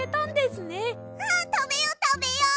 たべようたべよう！